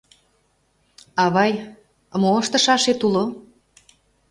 — Авай, мо ыштышашет уло?